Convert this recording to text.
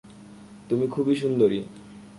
তুমি খুবই সুন্দরী।